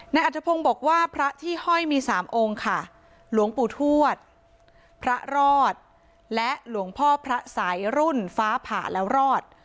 อัธพงศ์บอกว่าพระที่ห้อยมีสามองค์ค่ะหลวงปู่ทวดพระรอดและหลวงพ่อพระสัยรุ่นฟ้าผ่าแล้วรอด